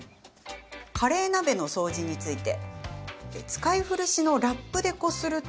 カレー鍋の掃除について。